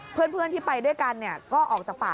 เพื่อนที่ไปด้วยกันก็ออกจากป่า